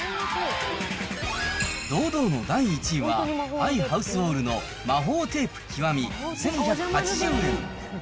堂々の第１位は、アイハウスオールの魔法テープ極１１８０円。